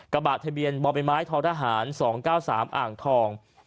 กระบะทะเบียนบมธศ๒๙๓อ่างทอง